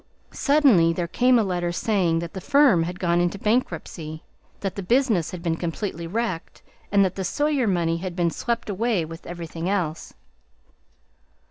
Suddenly there came a letter saying that the firm had gone into bankruptcy, that the business had been completely wrecked, and that the Sawyer money had been swept away with everything else.